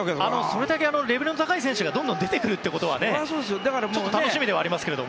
それだけレベルの高い選手がどんどん出てくるのは楽しみではありますけれども。